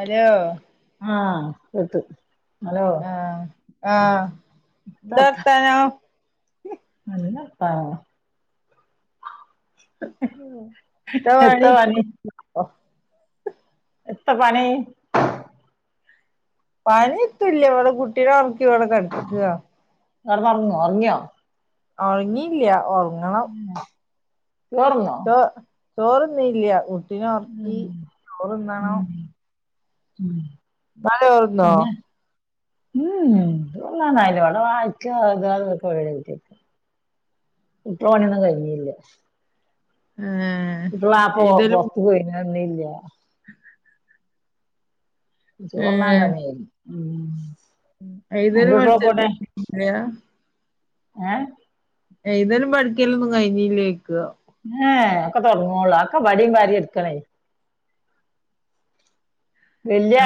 Hello.. ആഹ് കേട്ട് ആഹ് ആഹ് ന്തർത്താനം നല്ലർത്താനം എന്താ പണി എത്താവണി എത്ത പണി പണിത്തുല്ല വ്ടെ കുട്ട്യളെ ഒർക്കി വ്ടെ കെട്ക്ക കട്ന്നൊർങ്ങോർങ്യോ ഒർങ്ങില്ല ഒഹ് ചോറ്ന്നോ ചോ ചോർന്നില്ല ഉം ഉം ഇങ്ങള് ചോറ്ന്നോ പിന്നെ ഊ ഉം ചോർന്നായില്ല വ്‌ടെ വായിക്ക എയ്‌തക്കെ പണി ത്ത ണിയൊന്നും കയിഞ്ഞില്ല ഏഹ് ഇപ്പ വാപ് വൊ എഴുതലും പൊറത്ത്ക്ക്‌ പോയിണ് ന്നന്നി ല്ല ചോർന്നാവന്നേനി ഉം ഏയ്തലു അന്റെ പട്ചലു കുട്ട്യോളൊക്കോടെ [unintelligible] ഏ. എയ്തലും പഠിക്കലുംന്നും കയിഞ്ഞിലോയ്ക്കൊ ങേഹ് ഒക്കെ തൊടങ്ങോളാ ഒക്കെ ഒക്കെബെടെം പരിഎട്ക്കണെ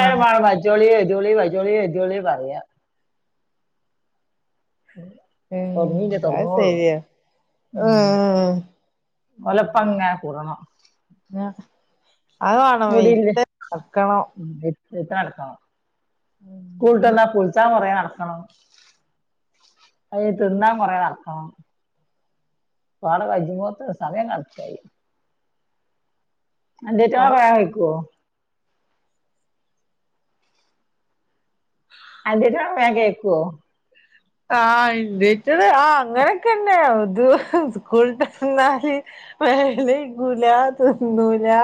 ആഹ് മജോളി എയിതിയോളി വജോളി എയിതിയോളി പറയാ തൊടങ്ങില്യ ഏഹ് അത് തൊടങ്ങ്നോള്ളു ശരിയാ ഉം. ഏഹ് ഓലപ്പങ്ങെ കൂടണം ങ്ങഹ്. മുടില്ലേ വെയിതാലേ നടക്കണോ. സ്കൂൾട്ടന്നാ കുൾച്ചാ കൊറേ നടക്കണോ. അയി കഴിഞ്ഞി തിന്നാ കൊറേനടക്കണോ. ഓളെ വഞ്ച്പോത്ത് സമയംകണക്കായി അന്റേതെ പയായികൊ അന്റേത് വേ കേക്കോ ആഹ് എന്തയ്ത്തത് ആഹ് അങ്ങനൊക്കന്നെ അത് സ്കൂൾട്ടന്നാല് മേലേയ്കൂല ത്ത്ന്നൂലാ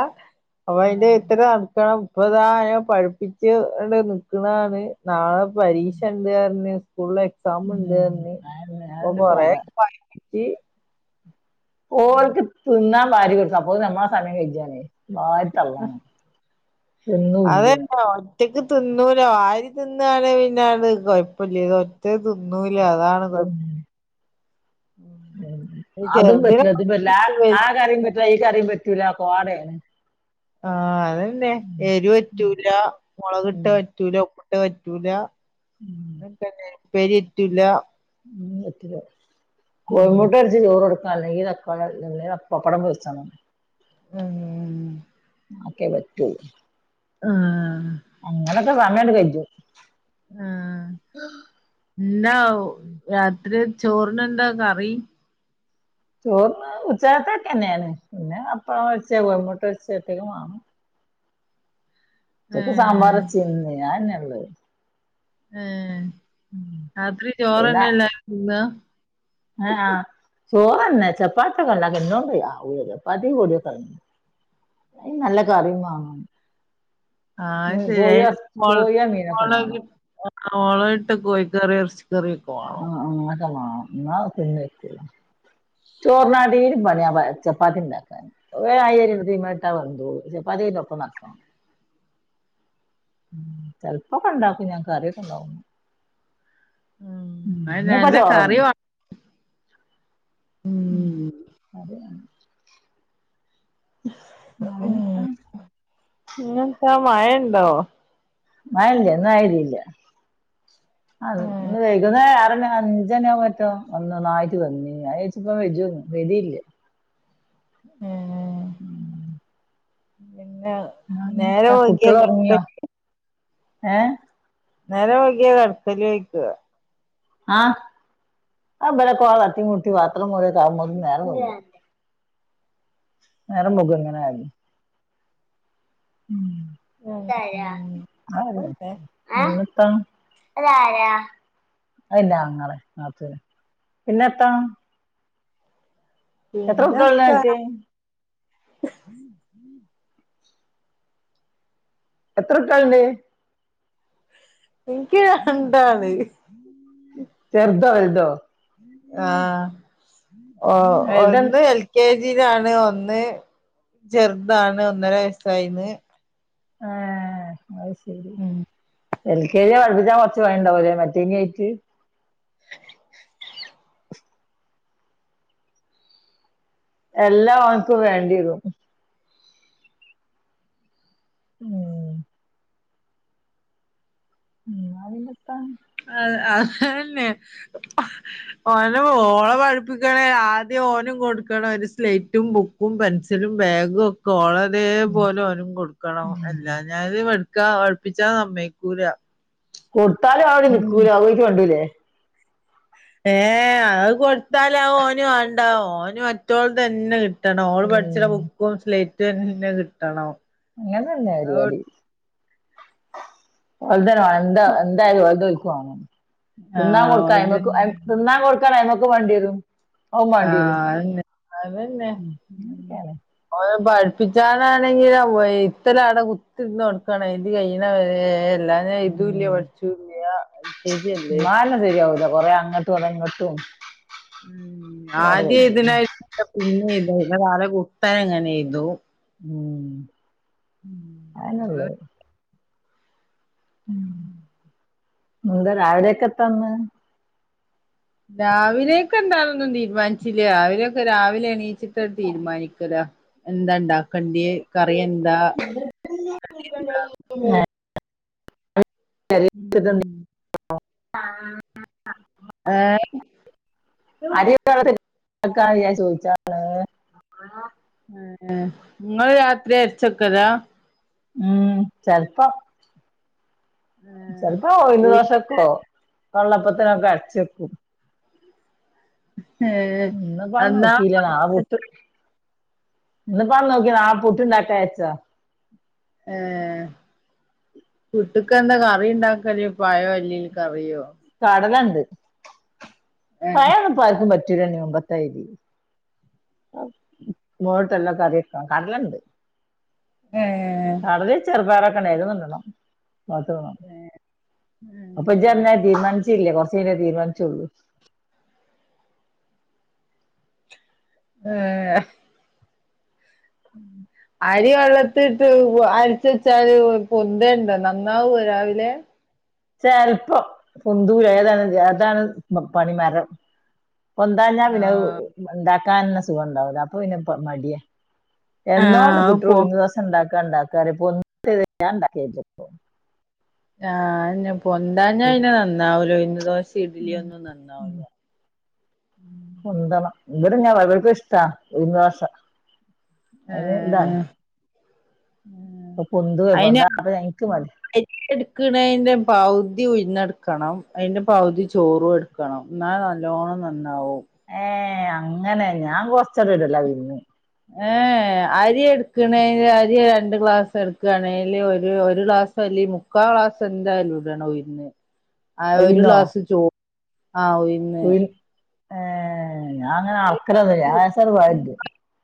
അപ്പൊയിന്റെഴ്തലെ നടക്കണം പ്പതാ അയിനെ പഠിപ്പിച്ച് ണ്ട് നിക്ക്‌ണണ് നാളെ പരീക്ഷണ്ടാറിഞ്ഞ് സ്കൂളെ സാം ഇണ്ട് ഉം പറഞ്ഞ് അതന്നെ ഇപ്പോ അതന്നെ ഇപ്പൊ കൊറേ അതാ ഒക്കെ പഠിപ്പിച്ചി. ഓൾക്ക് തിന്നാൻ വാരി കൊടുത്തപ്പോ നമ്മ സമയക്കജാനെ വാരി തള്ളണം തിന്നൂല്ല അതെന്നോ. റ്റയ്ക്ക് തുന്നൂലാ വാരിതിന്നാണേ പിന്ന ത് കൊയ്പ്പല്ലേ റ്റക്ക് തുന്നൂലാ അതാണ് കൊഴ ഉം ഉം ആതും പറ്റ്ലാ ഇതും പറ്റ്ല്ല അ ചെറുതിനെ ആ കറീം പറ്റ്ല്ല ഈ കറീം പറ്റ്ല കോടേണ്. ആ തന്നെ എരുറ്റൂല മുളക് ട്ടെ ഉം. പ ട്ടെറ്റൂല ഫുഡ്‌ പറ്റൂല ഉം ങ്ങൻതന്നെ ഉപ്പേരിറ്റൂല ന്നും പറ്റൂലെ കോയിമുട്ടൊരിച്ച് ചോറോടുക്കല്ലെങ്കിൽ അ കളെ എല്ലെങ്കിൽ അപ്പകടം പൊരിച്ചണം ഉംഹ് ആക്കേ പറ്റു ആഹ്‌ അങ്ങലതെ സമയണ്ട് കജു ആ എന്താ രാത്രി ചോറിനന്താ കറി ചോർന് ഉച്ചാത്തൊക്കെ തന്നെയാണ് പിന്നെ അപ്പം പോര്ച്ച കോയി മുട്ട് പോര്ച്ച റ്റേക്ക വാണം. ഉച്ചയ്ക്ക് സാമ്പാർ ഏഹ് വെച്ചിന്ന് അതെന്നെ ഇള്ളെ. ഏഹ് ആത്രി പിന്നെ ചോറ്ന്ന അല്ലാരു തിന്ന ആ ചോറ് തന്നെ ചപ്പാത്തിയൊക്കെ ഉണ്ടാക്കാൻ എന്നേ കൊണ്ട് വയ്യാ ആവൂല ചപ്പാത്തിന്റെ പോടീ ഒക്കെ ഇണ്ട് അ നല്ല കറിയു ആഹ് വാങ്ങ ശരി കോയൊ കോയിയോ മീനൊക്കെ വാണം അ ഓളായിട്ട് കോഴിക്കറി എർച്ച് ദെരിപ്പോ. ആ ആ അക്കെ വാണം ന്നാ തിന്നേക്കു ചോറിനാട്ടിണി പണി ബ ചപ്പാത്തി ഇണ്ടാക്കാൻ. ഒരയിരി ത്മൽ ഇട്ട വെന്തോളു ചേപ്പാത്തി പിന്നെ ഒപ്പോ നടക്കണോ. ഉ ചെലപ്പൊക്കെ ഉണ്ടാക്കു ഞാൻ കറിയൊക്കെ ഇണ്ടാവു. ഉം അത് ഇന്ന് ഇപ നല്ല ചോറന് കറി വാ ഉം അതെ [unintelligible] നാളെമുത്താ ഈന്താ മയണ്ടോ? മഴയല്ല്യ ഇന്നായിതില്യ ആ ഏഹ് ഇന്ന് വൈകുന്നേര ആറണി അഞ്ചണി ആവു ട്ടോ വന്ന് നന്നായിട്ട് [unintelligible] ആ പിന്നെ നേരൊ രാവിലത്തെ വൈകിയാ കുട്ടികൾ ഉറങ്ങിയോ ഏ നേരം വൈകിയാല് അടുത്തല് ഒഴിക്കുക [unintelligible] നേരംമ്പോക്കാങ്ങനെആയാലും പിന്നെ [unintelligible] ആ അതാരാ പിന്നെ എന്താ എത്ര പിന്നെത്താ കുട്ടികളുണ്ട്നെനക്ക് എത്ര [unintelligible] കുട്ട്യാളുണ്ട് [unintelligible] എനിക്ക് രണ്ടാള് ചെർതോ വലുതോ ആ, ഓ വലുത ഒന്ന് എൽ കെ ജിയിലാണ്, ഒന്ന് ചെറുതാണ് ഒന്നര വയസായിന്ന് ആ അത് ശരി ഉം എൽ കെ ജി പഠിപ്പിച്ചാൻ കുറച്ച് വഴിയിണ്ടാവലെ മറ്റേ ആയിട്ട് എല്ലാം അവനക്ക് വേണ്ടീരും ഉം ഉം അതിന്റെത്താ അ അത് തന്നെ ഓനെ ഓള പഠിപ്പിക്കണേ, ആദ്യം ഓനും കൊടുക്കണം ഒരു സ്ലേറ്റും ബുക്കും പെൻസിലും ബാഗും ഒക്കെ ഓളതേ ഉം. പോലെ ഓനും കൊടുക്കണം എല്ലാ ഞാനത് വെക്കാ വിളിപ്പിച്ചാ സമ്മതിക്കൂല കൊടുത്താലും അവിടെ നിക്കൂല അവളെ കണ്ടൂല്ലേ ഏ, അത് കൊടുത്താലാവും ഓന് വേണ്ടാ, ഓന് മറ്റൊൾത് തന്നെ കി ട്ടണം ഓള് പഠിച്ചണ ഉം ബുക്കും സ്ലേറ്റും ന്നെ കിട്ടണം അങ്ങനെ തന്നെ ആഹ് പരിപാടി [unintelligible] ന്തായ്ലും അതോൽക് വാണം തിന്നാൻ കൊടുക്കാ അയമക്ക് അതന്നെ അയ് തിന്നാൻ കൊടുക്കാൻ അയ്മക്ക് വാണ്ടിരും ഔ ആഹ് മാണ്ടിയരും അതന്നെ ഉം ഉം ക്കലെ ഓലെ പഠിപ്പിച്ചാനാണെങ്കിലൊ വയ്തലടെ കുത്തിന്നൊട്ക്കണം എയ്തികയ്യ്ണെ വരെ എല്ലാ ഇതെയ്തൂല്ല്യ ഉം പഠിച്ചൂല്ല്യാ എൽ കെ ജി അല്ലേ ക്കെ ശരിയാവവുല കൊറേ അങ്ങട്ടും കൊറെഇങ്ങട്ടും ഉം ആദ്യം എഴ്തനായിട്ട് പിന്നെഴ്തും പിന്നെ തലകുത്തനങ്ങനെയ്തു ഉം അത് അതന്നള്ളത് ഉം എന്ത രാവിലേക്കെത്താന്ന് രാവിലേക്കെന്താന്നൊന്നും തീര്മാനിച്ചില്ല രാവിലേക്ക് രാവിലെ എണീ ച്ചിട്ട് തീര്മാനിക്കലാ എന്താണ്ടാ കണ്ടിയെ കറി എന്താ പിന്നെ [inaudible] ഉം ഏഹ് ഇ അരിയൊക്കെ വെള്ളത്തിട്ട് നിക്കാണ് ഞാൻ ചോയിച്ചാണ് ഏഹ് ഇങ്ങള് രാത്രി അരിച്ചെക്കലാ ഉം ചെൽപ്പം ചെൽപ്പാ ഉയിന്ന്ദോശക്കോ വെള്ളപ്പത്തിനൊക്കെ അര്ച്ചെക്കും ഏ ഇന്ന്പ്പാ എന്നാ നോക്കില ആവും ട്ട് ഇന്ന്പ നോക്കി നാളെ പുട്ട്ണ്ടാക്കാര്ച്ചതാ ഏഹ് പുട്ട്ക്കെന്താ കറിണ്ടാക്കല് പഴോ അല്ലേൽ കറിയൊ കടലണ്ട് ഏ പയൊന്നുപ്പാർക്കും പറ്റൂലണ്ണി മുമ്പത്തായ്രി ഉപ്പ്മാവ്ട്ട്ല്ല കറിക്ക കട്ലണ്ട് ഏ കടലിം ചെറ്പയറൊക്കെണ്ട് ഏതെന്ന്ടണം അതോ അപ്പൊ ഇജ്ജർഞാരി തീര്മാന്ച്ചില്ലേ കൊറച്ചയ്ഞ്ഞാ തീര്മാൻചൊള്ളൂ ഏഹ് ഉം അരി വെള്ളത്തിട്ട് അരിച്ചെച്ചാല് പൊന്തെണ്ടോ നന്നാവൊ രാവിലെ ചെൽപ്പം പൊന്തൂല ഏതാണങ്കി അതാണ് പണിമരം പൊന്താഞ്ഞാ പിന്നെ അഹ്‌ ആഹ് ഇണ്ടാക്കാൻന്നെ സുഖണ്ടാവുല അപ്പൊപിന്നെ മടിയ ആഹ് എന്നോണ്ട് അത് കുട്ട്യള് പോ ഉഴുന്ന്ദോസണ്ടാക്കാ ണ്ടാക്കാറിം പൊന്തു ഞാണ്ടാക്കേല്ല്യ ആഹ് അഹന്നെ പൊന്താഞ്ഞ പിന്നെ നന്നാവുല ഉഴുന്ന്ദോശി ഇഡ്ലി ഒന്നും നന്നാവുല പൊന്തണം ഇവിടെ ഞ്ഞാൻ വെറ്തേ ഇഷ്ട ഉഴുന്ന്ദോശ അയിന് ഇതാണ് ഉം അഹ് പ്പൊന്തുല പൊന്താതെ ഇൻക് മടിയ അരിയ്ക്ക്ട്ക്ക്ണേന്റെ പൗതി ഉഴ്ന്നെട്ക്കണം അയിന്റെ പൗതി ചോറൂട് ക്കണം ന്നാ നല്ലോണം നന്നാവും ഏഹ് അങ്ങനെ ഞാൻ കൊറച്ചടലൊള്ളു ആ ഉഴുന്ന് ഏഹ് അരി എട്ക്ണെന്റെ അരി രണ്ട് ഗ്ലാസ് എടുക്കാണെല് ഒരു ഒരു ഗ്ലാസ്ല്ല്യ മു ക്കാ ഗ്ലാസ്‌ന്തായ്ലും ഇടെണ ഉഴ്ന്ന് ആഹ് ഒരു ക്ലാസ് ചോ ആഹ് ആഹ് ഉയ്‌ ഉയ്‌ന്ന് ഏഹ് ഞ്ഞാങ്ങനെ അൾക്കലൊന്ന്ല്ല ഞാൻ ലേസണ്ട് വാരിടും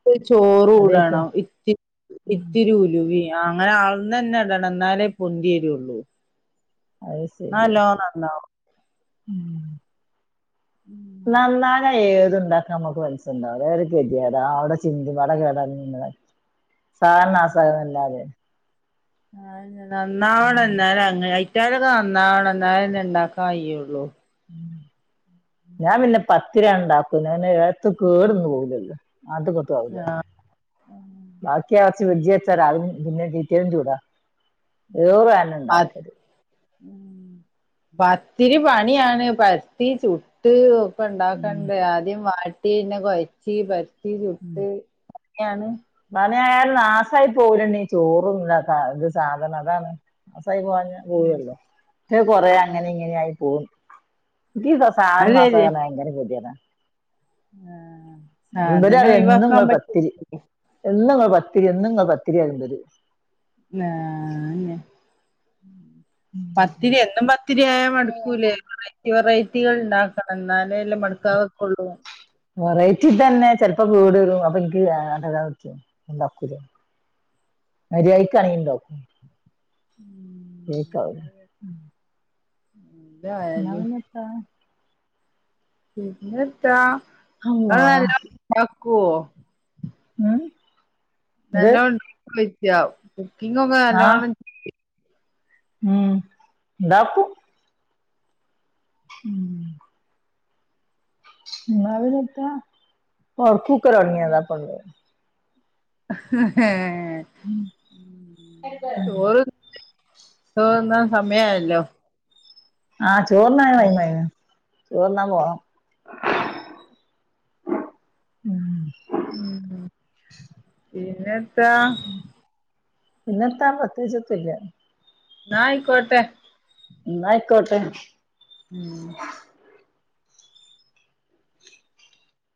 കൊയ് ചോറൂടണം ഇത്തി ഉം ഇത്തിരി ഉലുവി- ആഹ് അങ്ങനെ അൾന്നെന്നെടണം ഇന്നാലേ പൊന്തിവരുള്ളൂ അത് ശരി ന്നല്ലോ നന്നാവും ഉം- നന്നാഞ്ഞാ ഏത്ണ്ടാക്കാ മ്മക്ക് മനസ്സ്ണ്ടാവും വേറി കെതിയേടാ അവ്ടെ ചിന്തി വടെ കേട നി സാനം നാസാവന്നെല്ലാതെ അഹ്അതന്നെ നന്നാവണ ന്നാല അങ്ങനായ് റ്റാലൊക്കെ നന്നാവണം ഇന്നാലെന്നെ ഇണ്ടാക്ക കയ്യൊള്ളൂ ഞാൻ പിന്നെ പത്തിരി അൻണ്ടാക്കും ന്നാ പിന്നെ ഏത്ത് കേടന്ന് പോവുലല്ലോ അത് പെത്താവുല ആഹ് ബാക്കീയാചെ ഫിഡ്ജിവെച്ച രാവിലെ പിന്നെ പിറ്റേന്നും ചുടാ ഏറും പത് അതന്നെണ്ടാക്കല് ഉം പത്തിരി പണിയാണ് പത്തി ചുട്ട് ഓഹ് ഇപ്പ ഉം ഇണ്ടാക്കണ്ട ആദ്യം വാട്ടി പിന്നെ കൊഴച്ചി പരത്തി ചുട്ട് അങ്ങെയാണ് മാനേ നാശായി പോവൂല്ലന്നി ചോറുംല്ല ഇത് സാധനം അതാണ് നാശയി പോവാഞ്ഞ പോവല്ലോ പക്ഷെ കൊറെേ അങ്ങനെ ഇങ്ങനെയ ആയി പോകുന്നു എനി- സാധ അത് മാസ ഭയങ്കനര കേതിയെടാ ആഹ് ഇവര് അറിയ എന്നുംഇങ്ങൾ പത്തിരി എന്നും ഇങ്ങൾ പത്തിരി എന്നും പത്തിരിയ ഇര് നാഹ് പത്തിരി എന്നും പത്തിരി ആയാ മടുക്കൂലേ? വെറൈറ്റികൾ ഉണ്ടാക്കണം എന്നാലേല്ല മടുക്കാവക്കള്ളൂ വെറൈറ്റി തന്നെ ചെിലപ്പോ വീടവും അപ്പൊ എനിക്ക്താ പറ്റ എന്താകുലേ മാര്യയികാണാക്കി ഇണ്ടാകും. ഉം. കേൾക്കാവോ? എന്തായാലും ആഹ് പിന്നെത്ത ഇങ്ങൾ അമ്മാ നല്ലോണം ഉണ്ടാക്കോ? ഉം. ഇത് നല്ലോണം എന്തക്കൊന് ചോയ്ക്ക കുക്കിങ് ഒക്കെ ആ നല്ലോണം ഉം ഉണ്ടാക്കും. ഉം. ന്നാ പിന്നെത്ത ഒറക്കുകൾ ഒടാങ്ങിയതാപ്പത് ചോറ് ചോർ തിന്നാൻ സമയമായാലോ ആഹ് ചോർനാണ് ടൈമായ്ക്ക്ണ് ചോർ തിന്നാൻ പോണം ഉം ഉം പിന്നെത്ത പിന്നെത്താ പ്രതേച്ചോത്തുല്ല നായിക്കോട്ടെ എന്ന ആയിക്കോട്ടെ ഉം